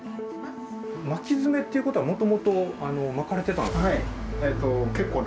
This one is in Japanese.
巻きヅメっていうことはもともと巻かれてた？